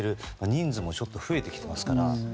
人数も増えてきていますから。